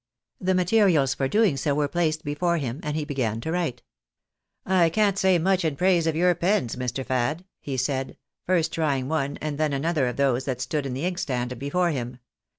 The materials for doing so were placed before him and he began to write. " I can't say much in praise of your pens, Mr. Fad," he said, first trying one and then another of those that stood in the ink stand before him.